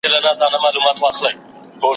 که ته انټرنیټ لرې نو هېڅکله یوازې نه یې.